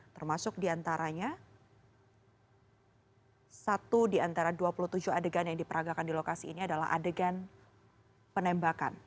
termasuk diantaranya satu di antara dua puluh tujuh adegan yang diperagakan di lokasi ini adalah adegan penembakan